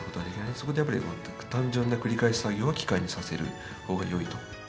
そこでやっぱり単純な繰り返し作業は機械にさせる方がよいと。